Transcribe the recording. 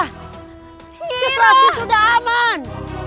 situasi sudah aman